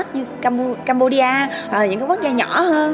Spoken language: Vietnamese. như campodia hoặc là những quốc gia nhỏ hơn